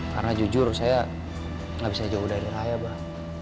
karena jujur saya nggak bisa jauh dari raya abah